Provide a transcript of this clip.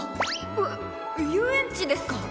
えっ遊園地ですか！？